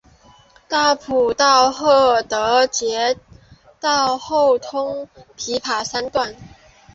大埔道于郝德杰道后通往琵琶山段。